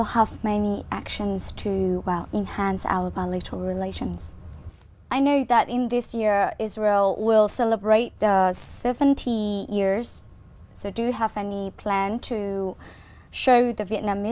cho chúng tôi có thể cho những người chính giới đến đây để sống ở việt nam